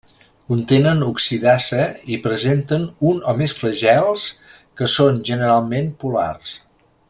Contenen oxidasa i presenten un o més flagels, que són generalment polars.